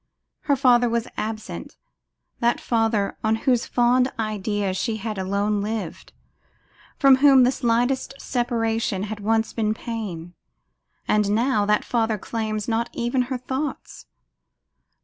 Her father was absent, that father on whose fond idea she had alone lived; from whom the slightest separation had once been pain; and now that father claims not even her thoughts.